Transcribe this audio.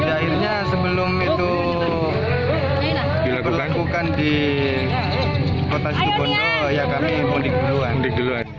akhirnya sebelum itu dilakukan di kota sudukondo ya kami mudik duluan